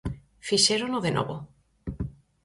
Fixérono de novo.